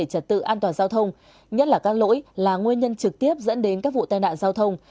trật tự an toàn giao thông nhất là các lỗi là nguyên nhân trực tiếp dẫn đến các vụ tai nạn giao thông